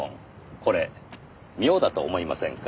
これ妙だと思いませんか？